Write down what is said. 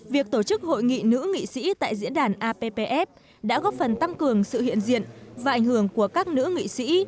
việc tổ chức hội nghị nữ nghị sĩ tại diễn đàn appf đã góp phần tăng cường sự hiện diện và ảnh hưởng của các nữ nghị sĩ